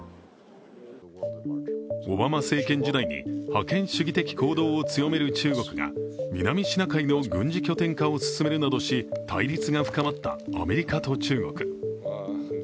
オバマ政権時代に覇権主義的行動を強める中国が、南シナ海の軍事拠点化を進めるなどし、対立が深まったアメリカと中国。